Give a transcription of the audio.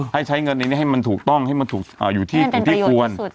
ให้ใช้เงินในนี้ให้มันถูกต้องอยู่ที่ควร